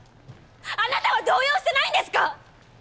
あなたは動揺してないんですか！？